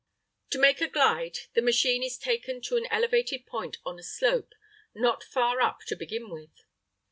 To make a glide, the machine is taken to an elevated point on a slope, not far up to begin with.